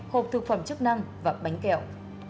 hộp thực phẩm chức năng và bánh kẹo